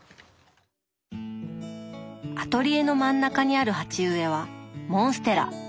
アトリエの真ん中にある鉢植えはモンステラ！